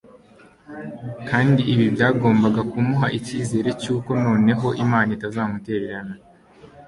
kandi ibi byagombaga kumuha icyizere cyuko noneho Imana itazamutererana